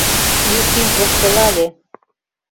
— Ефим воштылале.